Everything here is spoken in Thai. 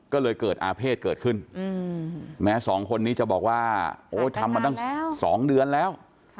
ก็เลยเกิดอาเภษเกิดขึ้นแม้สองคนนี้จะบอกว่าโอ๊ยทำมาตั้ง๒เดือนแล้ว